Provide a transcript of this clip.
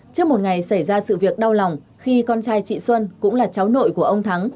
trước một ngày xảy ra sự việc đau lòng khi con trai chị xuân cũng là cháu nội của ông thắng